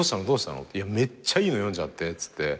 めっちゃいいの読んじゃってっつって。